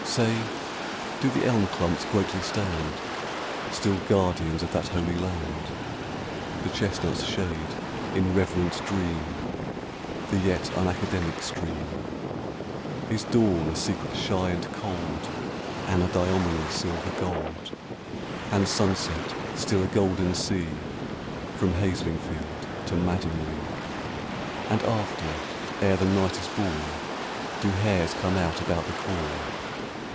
Say, do the elm clumps greatly stand Still guardians of that holy land? The chestnuts shade, in reverend dream, The yet unacademic stream? Is dawn a secret shy and cold Anadyomene, silver gold? And sunset still a golden sea From Haslingfield to Madingley? And after, ere the night is born, Do hares come out about the corn?